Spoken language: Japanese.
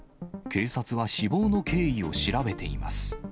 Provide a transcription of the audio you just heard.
警察は死亡の経緯を調べています。